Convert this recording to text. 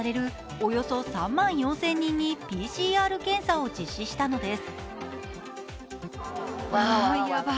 およそ３万４０００人にＰＣＲ検査を実施したのです。